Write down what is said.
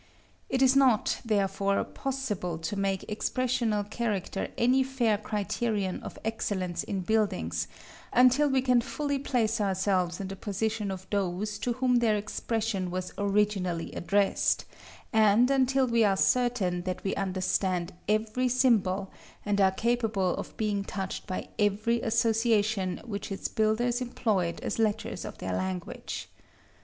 It is not, therefore, possible to make expressional character any fair criterion of excellence in buildings, until we can fully place ourselves in the position of those to whom their expression was originally addressed, and until we are certain that we understand every symbol, and are capable of being touched by every association which its builders employed as letters of their language.